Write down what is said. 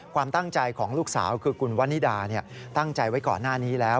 ความตั้งใจของลูกสาวคือคุณวันนิดาตั้งใจไว้ก่อนหน้านี้แล้ว